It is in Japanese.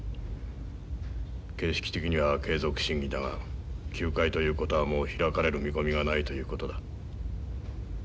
形式的には継続審議だが休会ということはもう開かれる見込みがないということだ。